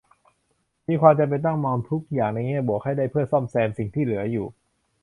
มีความจำเป็นต้องมองทุกอย่างในแง่บวกให้ได้เพื่อซ่อมแซมสิ่งที่เหลืออยู่